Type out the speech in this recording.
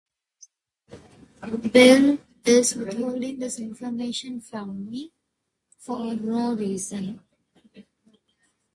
Bill is withholding this information from me for no reason.